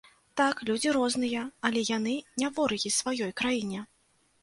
Так, людзі розныя, але яны не ворагі сваёй краіне!